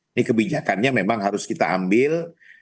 ini kebijakannya memang harus kita ambil